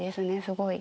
すごい。